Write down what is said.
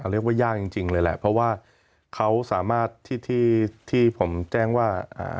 เรียกว่ายากจริงจริงเลยแหละเพราะว่าเขาสามารถที่ที่ผมแจ้งว่า